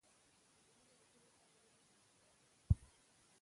زموږ نیکونو دا ویلي له پخوا دي